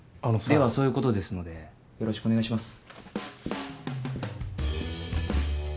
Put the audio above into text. ではそういう事ですのでよろしくお願いします。